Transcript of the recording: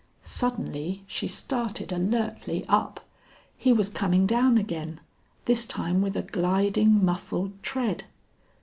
Suddenly she started alertly up; he was coming down again, this time with a gliding muffled tread.